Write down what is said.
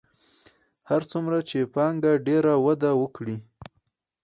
هر څومره چې پانګه ډېره وده وکړي